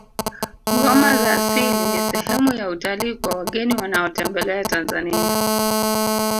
ngoma za asili ni sehemu ya utalii kwa wageni wanaotembelea tanzania